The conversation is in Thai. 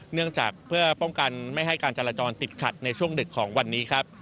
เนื่องจากเพื่อป้องกันไม่ให้การจราจรติดขัดในช่วงดึกของวันนี้ครับ